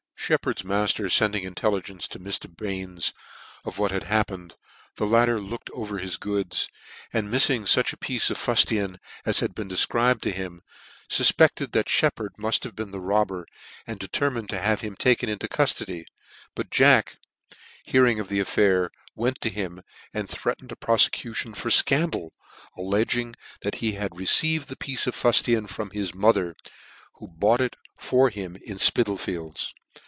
Sheppard's mailer fending intelligence to Mr. Bains ot what had happened, the latter looked over his goods, and miffing fuch a piece of fuf tian as had been defcribed to him, iufpeded th;.t VOL. I. No. 10. 30 Shep 394 NEW NEWGATE CALENDAR. Sheppard muft have been the robber, and deter mined to have him taken into cuftody ; but Jack, hearing; of the affair, went to him, and threaten 3 ;ed a profecution for fcandal alledging that he had received the piece of fuftian from his mother, who bought it for him in Spitalfields.